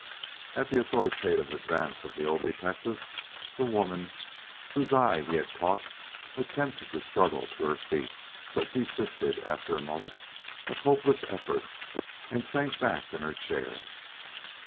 At the authoritative advance of the old detective, the woman, whose eye he had caught, attempted to struggle to her feet, but desisted after a moment of hopeless effort, and sank back in her chair.